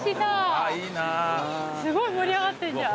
すごい盛り上がってんじゃん。